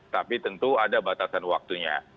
tapi tentu ada batasan waktunya